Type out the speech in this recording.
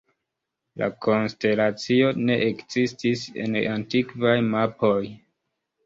La konstelacio ne ekzistis en antikvaj mapoj.